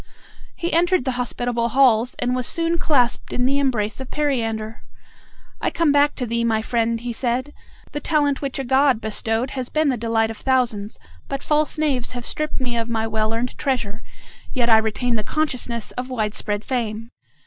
He entered the hospitable halls, and was soon clasped in the embrace of Periander. "I come back to thee, my friend," he said. "The talent which a god bestowed has been the delight of thousands, but false knaves have stripped me of my well earned treasure; yet I retain the consciousness of wide spread fame."